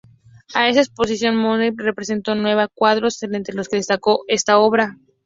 A esa exposición Monet presentó nueve cuadros, entre los que destacó esta obra.